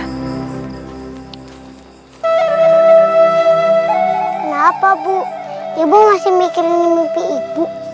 kenapa ibu ibu masih mikirin mimpi ibu